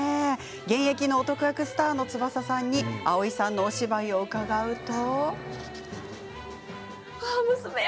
現役の男役スターの翼さんに蒼井さんのお芝居を伺うと。